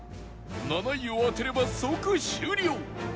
７位を当てれば即終了！